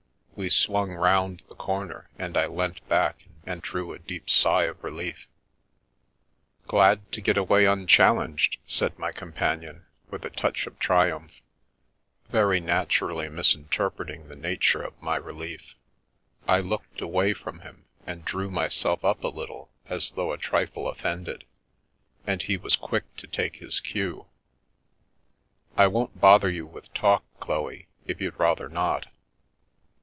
We swung round the corner and I leant back and drew a deep sigh of relief. " Glad to get away unchallenged !" said my companion with a touch of triumph, very naturally misinterpreting the nature of my relief. I looked away from him and drew myself up a little as though a trifle offended, and he was quick to take his cue. " I won't bother you with talk, Chloe, if you'd rather not.